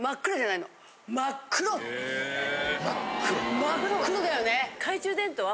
真っ黒だよね。